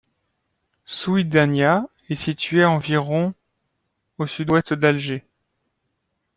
Souidania est située à environ au sud-ouest d'Alger.